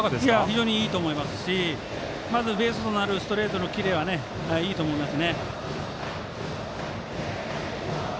非常にいいと思いますしまずベースとなるストレートのキレはいいと思います。